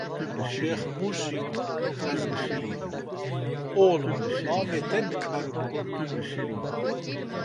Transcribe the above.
Şêx Murşid Xeznewî: Oxlim bavê te nikaribû!